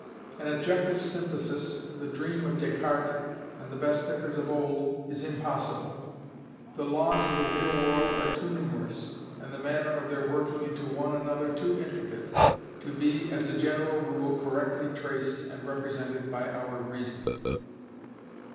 An objective synthesis, the dream of Descartes and the best thinkers of old, is impossible. The laws of the real world are too numerous, and the manner of their working into one another too intricate, to be, as a general rule, correctly traced and represented by our reason.